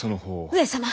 上様！